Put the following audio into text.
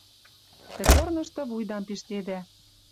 Тӹ корнышты вуйдам пиштедӓ...»